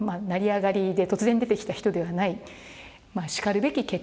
成り上がりで突然出てきた人ではないしかるべき